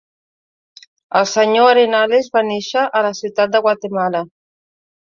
El senyor Arenales va néixer a la ciutat de Guatemala.